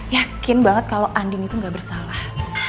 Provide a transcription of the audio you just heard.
yakin banget kalau andin itu gak bersalah